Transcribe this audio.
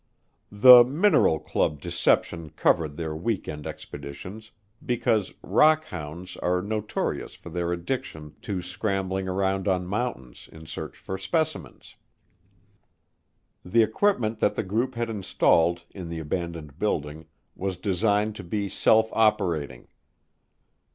The "mineral club" deception covered their weekend expeditions because "rock hounds" are notorious for their addiction to scrambling around on mountains in search for specimens. The equipment that the group had installed in the abandoned building was designed to be self operating.